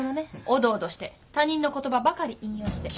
おどおどして他人の言葉ばかり引用して。